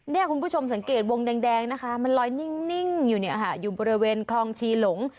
คุณผู้ชมสังเกตวงแดงนะคะมันลอยนิ่งอยู่เนี่ยค่ะอยู่บริเวณคลองชีหลง